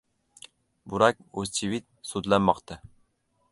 Burak O‘zchivit sudlanmoqda